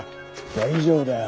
大丈夫だよ。